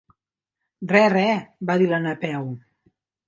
Re, re —va dir la Napeu—.